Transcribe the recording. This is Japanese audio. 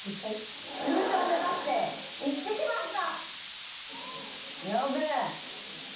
優勝を目指して行ってきました。